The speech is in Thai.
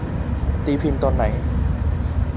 ตีพิมพ์ตอนไหน